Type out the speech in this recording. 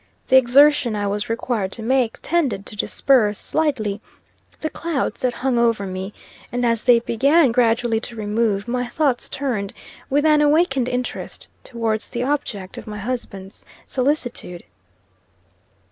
The exertion I was required to make, tended to disperse, slightly, the clouds that hung over me, and as they began gradually to remove, my thoughts turned, with an awakened interest, towards the object of my husband's solicitude.